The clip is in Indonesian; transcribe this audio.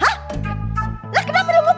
hah lah kenapa lo mau pindah